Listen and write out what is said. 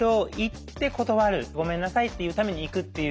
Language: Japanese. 「ごめんなさい」って言うために行くっていう。